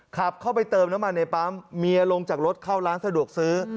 ขับเข้าไปเติมน้ำมันในปั๊มเมียลงจากรถเข้าร้านสะดวกซื้อ